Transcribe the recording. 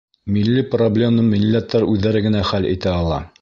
Милли проблеманы милләттәр үҙҙәре генә хәл итә ала